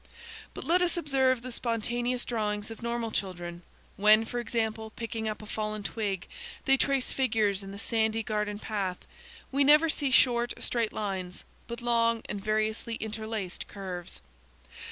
But let us observe the spontaneous drawings of normal children. When, for example, picking up a fallen twig, they trace figures in the sandy garden path, we never see short straight lines, but long and variously interlaced curves.